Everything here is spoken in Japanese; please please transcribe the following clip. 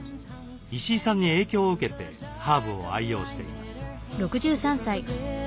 石井さんに影響を受けてハーブを愛用しています。